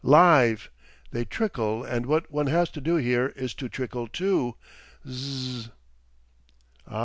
Live!—they trickle, and what one has to do here is to trickle too—Zzzz."